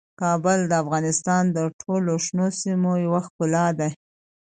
کابل د افغانستان د ټولو شنو سیمو یوه ښکلا ده.